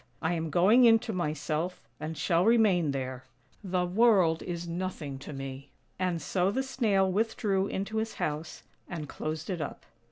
I am going into myself, and shall remain there. The world is nothing to me." And so the Snail withdrew into his house, and closed it up.